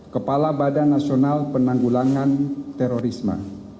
kepala badan nasional penanggulangan terorisme